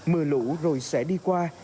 mưa lũ rồi sẽ đi qua